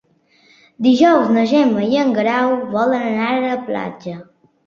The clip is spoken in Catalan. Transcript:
Dijous na Gemma i en Guerau volen anar a la platja.